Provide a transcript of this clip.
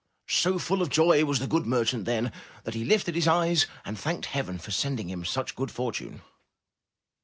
So full of joy was the good mer chant then, that he lifted his eyes and thanked Heaven for sending him such good fortune.